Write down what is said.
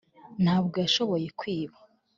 ntabwo yashoboye kwiba